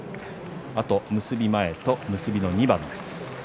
あと結び前と結びの２番です。